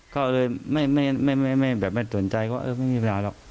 ก็เลยไม่สนใจก็ไม่มีเวลาหรอก